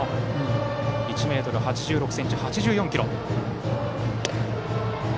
１ｍ８６ｃｍ、８４ｋｇの山口。